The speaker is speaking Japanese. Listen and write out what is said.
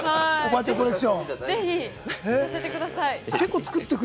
ぜひ作ってください。